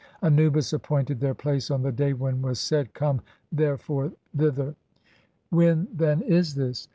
Anubis appointed (88) their place "on the day [when was said], 'Come therefore thither'." When then (89) is this?